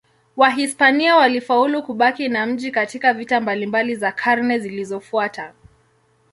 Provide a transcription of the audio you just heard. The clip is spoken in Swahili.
Wahispania walifaulu kubaki na mji katika vita mbalimbali za karne zilizofuata.